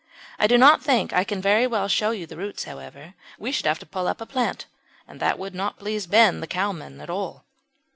I do not think I can very well show you the roots, however; we should have to pull up a plant, and that would not please Ben, the cowman, at all.